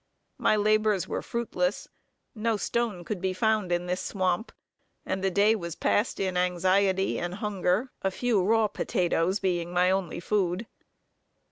My labors were fruitless. No stone could be found in this swamp, and the day was passed in anxiety and hunger, a few raw potatoes being my only food.